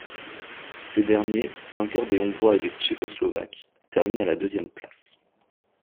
Ces derniers, vainqueurs des Hongrois et des Tchécoslovaques, terminent à la deuxième place.